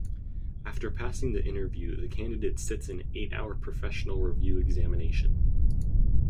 After passing the interview, the candidate sits an eight-hour professional review examination.